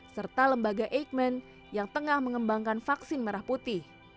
serta lembaga eijkman yang tengah mengembangkan vaksin merah putih